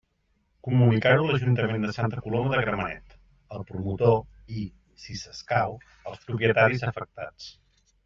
Comunicar-ho a l'Ajuntament de Santa Coloma de Gramenet, al promotor i, si escau, als propietaris afectats.